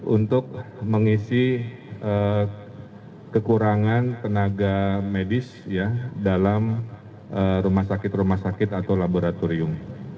untuk mengisi kekurangan tenaga medis dalam rumah sakit rumah sakit atau laboratorium